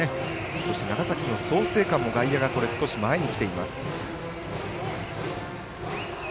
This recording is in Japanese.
そして長崎の創成館も外野が少し前に来ています。